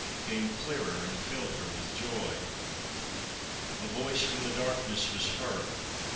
came clearer! and filled her with joy. A voice from the darkness was heard